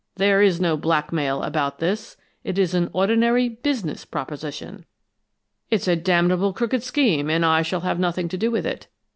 "'There is no blackmail about this it is an ordinary business proposition.' "'It's a damnable crooked scheme, and I shall have nothing to do with it.